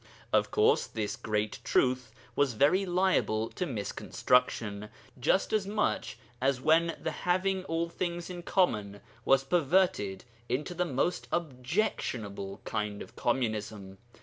Of course, this great truth was very liable to misconstruction, just as much as when the having all things in common was perverted into the most objectionable kind of communism.